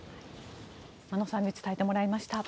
真野さんに伝えてもらいました。